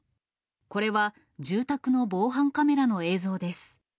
これは住宅の防犯カメラの映像です。